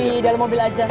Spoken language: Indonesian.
tadi dalam mobil aja